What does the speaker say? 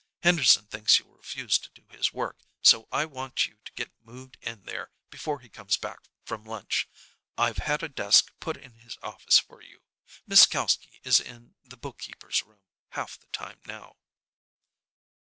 Henderson thinks you'll refuse to do his work, so I want you to get moved in there before he comes back from lunch. I've had a desk put in his office for you. Miss Kalski is in the bookkeeper's room half the time now."